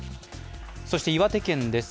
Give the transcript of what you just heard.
そして岩手県です。